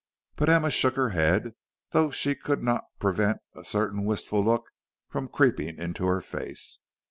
But Emma shook her head, though she could not prevent a certain wistful look from creeping into her face.